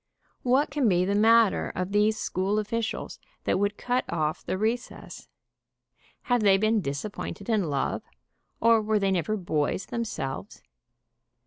What can be the matter of these school officials that would cut off the recess? Have they been disap pointed in love, or were they never boys themselves?